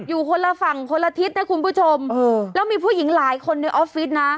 อยู่คนละฝั่งคนละทิศนะคุณผู้ชมแล้วมีผู้หญิงหลายคนในออฟฟิศนะ